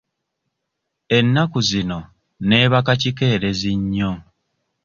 Ennaku zino neebaka kikeerezi nnyo.